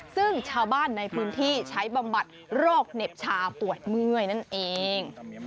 ซึ่งชาวบ้านในพื้นที่ใช้บำบัดโรคเหน็บชาปวดเมื่อยนั่นเอง